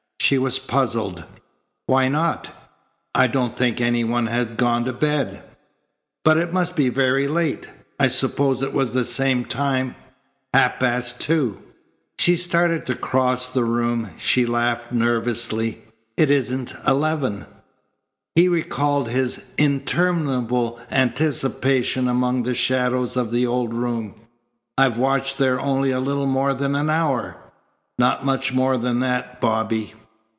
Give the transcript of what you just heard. She was puzzled. "Why not? I don't think any one had gone to bed." "But it must be very late. I supposed it was the same time half past two." She started to cross the room. She laughed nervously. "It isn't eleven." He recalled his interminable anticipation among the shadows of the old room. "I've watched there only a little more than an hour!" "Not much more than that, Bobby."